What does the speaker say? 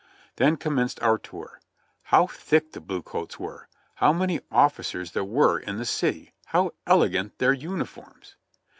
Then commenced our tour. How thick the blue coats were! How many officers there were in the city! How elegant their uniforms